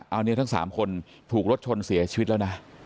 อันนี้ทั้ง๓คนถูกรถชนเสียชีวิตแล้วนะ